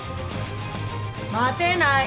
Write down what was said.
待てない！